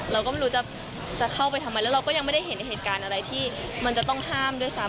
เราก็ไม่รู้จะเข้าไปทำไมแล้วเราก็ยังไม่ได้เห็นเหตุการณ์อะไรที่มันจะต้องห้ามด้วยซ้ำ